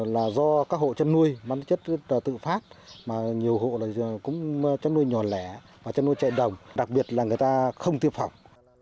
là do các hộ chất nuôi bắn chất tự phát mà nhiều hộ là cũng chất nuôi nhỏ lẻ và chất nuôi chạy đồng đặc biệt là người ta không tiêu phòng